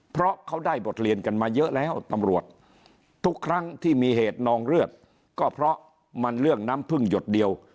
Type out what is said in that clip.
เพราะเขาได้บทเรียนกันมาเยอะแล้วตำรวจทุกครั้งที่มีเหตุนองเลือดก็เพราะมันเรื่องน้ำพึ่งหยดเดียว